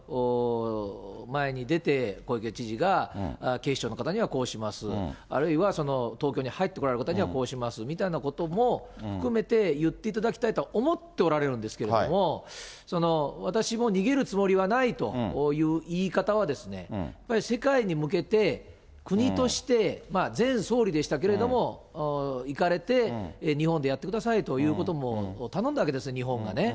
前に出て、小池知事が警視庁の方にはそうします、あるいは東京に入って来られる方にはこうしますみたいなことも言っていただきたいとは思っておられるんですけれども、私も逃げるつもりはないという言い方は、やはり世界に向けて、国として、前総理でしたけれども、行かれて、日本でやってくださいということも頼んだわけですよ、日本がね。